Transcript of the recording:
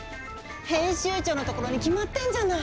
編集長のところに決まってんじゃない。